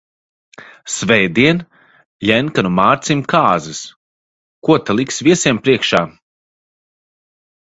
Svētdien Ļenkanu Mārcim kāzas, ko ta liks viesiem priekšā?